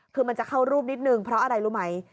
คือมันจะเข้ารูปนิดนึงเพราะอะไรรู้ไหม